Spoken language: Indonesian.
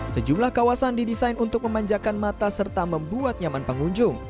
sejumlah kawasan didesain untuk memanjakan mata serta membuat nyaman pengunjung